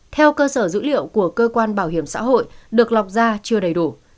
theo cơ sở dữ liệu của cơ quan bảo hiểm xã hội được lọc ra chưa đầy đủ